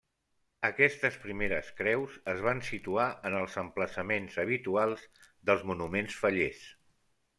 Aquestes primeres creus es van situar en els emplaçaments habituals dels monuments fallers.